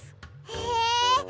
へえ！